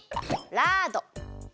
ラード。